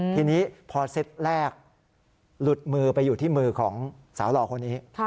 ทีนี้พอเซตแรกหลุดมือไปอยู่ที่มือของสาวหล่อคนนี้